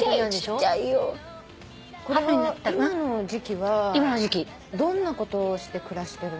これは今の時期はどんなことをして暮らしてるの？